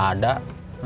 lu udah beli tuh